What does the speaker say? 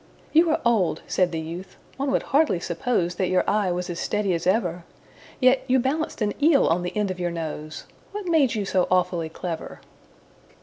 "You are old," said the youth, "one would hardly suppose That your eye was as steady as ever; Yet you balanced an eel on the end of your nose What made you so awfully clever?"